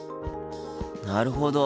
なるほど。